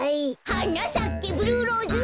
「はなさけブルーローズ」